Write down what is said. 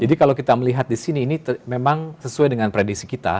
jadi kalau kita melihat di sini ini memang sesuai dengan predisi kita